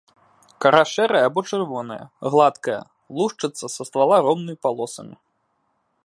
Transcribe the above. Кара шэрая або чырвоная, гладкая, лушчыцца са ствала роўнымі палосамі.